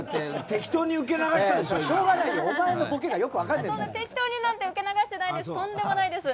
適当になんて受け流してないです。